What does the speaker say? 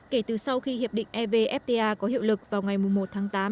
kể từ sau khi hiệp định evfta có hiệu lực vào ngày một tháng tám